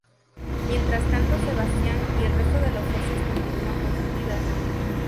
Mientras tanto, Sebastián y el resto de los socios continúan con sus vidas.